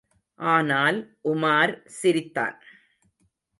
ஆனால், உமார் சிரித்தான்.